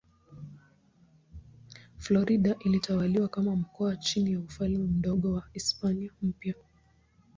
Florida ilitawaliwa kama mkoa chini ya Ufalme Mdogo wa Hispania Mpya.